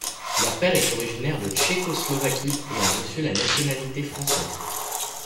Leur père est originaire de Tchécoslovaquie et a reçu la nationalité française.